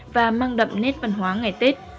và mang đậm nét văn hóa ngày tết